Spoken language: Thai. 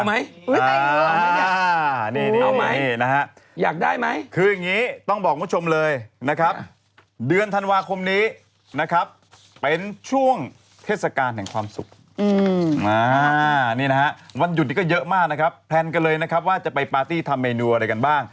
หาไม่เจอนะตอนนี้ก็ยังหาไม่เจอนะคะ